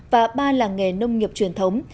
và ba làng nghề nông nghiệp truyền thống